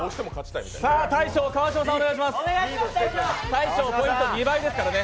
川島さん、ポイント２倍ですからね。